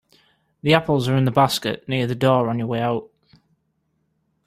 The apples are in the basket near the door on your way out.